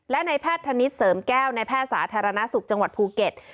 และในแพทย์ธนิษฐ์เสริมแก้วในแพทย์สาธารณสุขจังหวัดภูเก็ต